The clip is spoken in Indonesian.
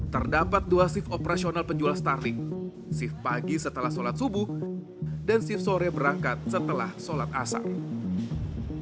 terdapat dua shift operasional penjual starling shift pagi setelah sholat subuh dan shift sore berangkat setelah sholat asar